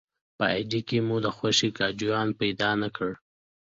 په اډې کې مو د خوښې ګاډیوان پیدا نه کړ.